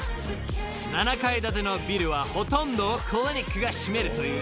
［７階建てのビルはほとんどをクリニックが占めるという］